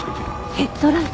ヘッドライト？